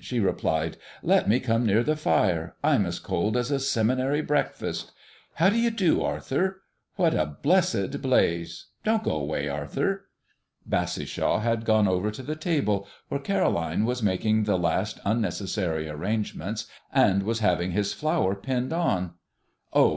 she replied, "let me come near the fire. I'm as cold as a seminary breakfast. How do you do, Arthur? What a blessed blaze! Don't go away, Arthur." Bassishaw had gone over to the table, where Caroline was making the last unnecessary arrangements, and was having his flower pinned on. "Oh!